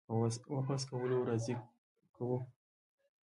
په واپس کولو راضي کړو